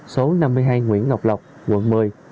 số năm mươi hai nguyễn ngọc lộc quận một mươi